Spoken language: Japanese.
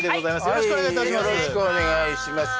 よろしくお願いします